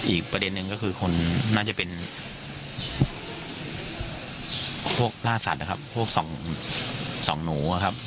อีกประเด็นนึงก็คือคนน่าจะเป็นพวกล่าสัตว์พวกส่องหมู่